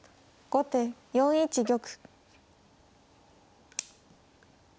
後手３一玉。